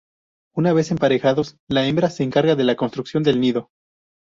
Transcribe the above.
Una vez emparejados, la hembra se encarga de la construcción del nido.